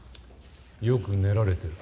よく練られてる。